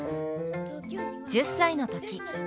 １０歳の時。